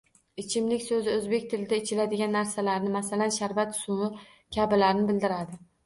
Ichimlik soʻzi oʻzbek tilida ichiladigan narsalarni, masalan, sharbat, suv kabilarni bildiradi